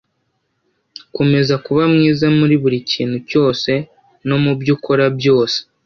komeza kuba mwiza muri buri kintu cyose no mu byo ukora byose